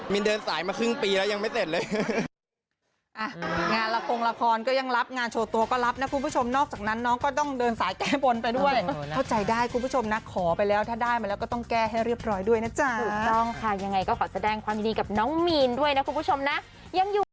มีนเดินสายมาครึ่งปีแล้วยังไม่เสร็จเลย